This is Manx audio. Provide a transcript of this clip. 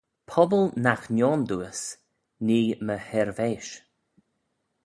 Pobble nagh nhione dooys: nee m'y hirveish.